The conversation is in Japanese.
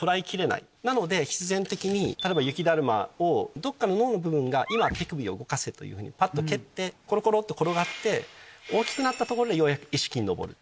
なので必然的に例えば雪だるまをどっかの脳の部分が「今手首を動かせ」というふうにパッと蹴ってコロコロと転がって大きくなったところでようやく意識に上る。